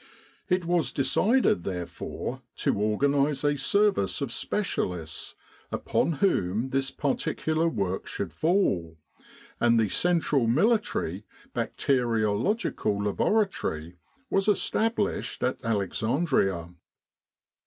It was decided therefore to organise a service of specialists upon whom this particular work should fall, and the "Central Military 194 Field and Base Laboratories Bacteriological Laboratory" was established at Alexandria.